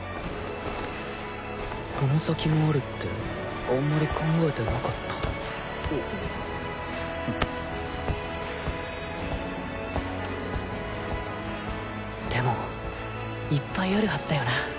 この先もあるってあんまり考えてなかったでもいっぱいあるはずだよな。